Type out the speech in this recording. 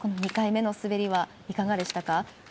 ２回目の滑りはいかがでしたか。